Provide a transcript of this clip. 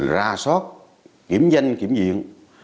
ra sót kiểm danh kiểm diện